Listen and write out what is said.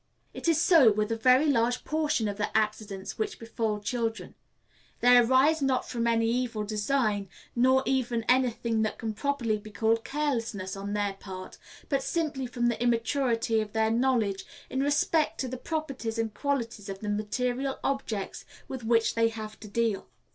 It is so with a very large portion of the accidents which befall children. They arise not from any evil design, nor even any thing that can properly be called carelessness, on their part, but simply from the immaturity of their knowledge in respect to the properties and qualities of the material objects with which they have to deal.